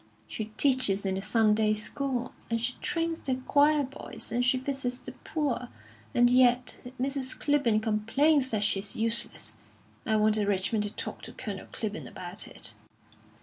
She teaches in the Sunday School, and she trains the choir boys, and she visits the poor; and yet Mrs. Clibborn complains that she's useless. I wanted Richmond to talk to Colonel Clibborn about it."